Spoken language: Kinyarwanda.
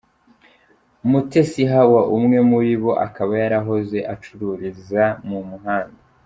Mutesi Hawa, umwe muri bo akaba yarahoze acururiza mu muhanda.